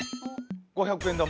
５００円玉。